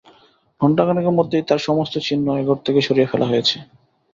ঘন্টাখানেকের মধ্যেই তার সমস্ত চিহ্ন এ ঘর থেকে সরিয়ে ফেলা হয়েছে।